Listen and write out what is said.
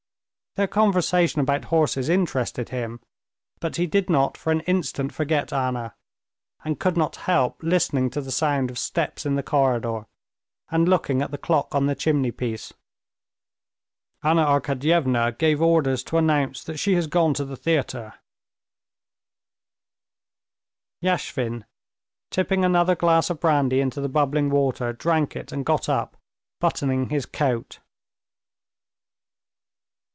Their conversation about horses interested him, but he did not for an instant forget Anna, and could not help listening to the sound of steps in the corridor and looking at the clock on the chimney piece. "Anna Arkadyevna gave orders to announce that she has gone to the theater." Yashvin, tipping another glass of brandy into the bubbling water, drank it and got up, buttoning his coat.